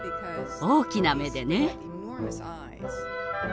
大きな目でね。